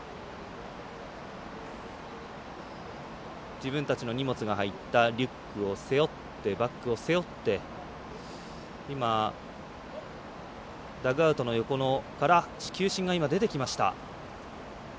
自分たちの荷物が入ったバッグを背負ってダグアウトの横から球審が出てきました。